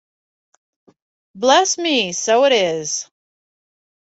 Bless me, so it is!